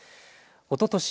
おととし